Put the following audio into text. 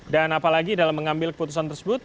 dan apalagi dalam mengambil keputusan tersebut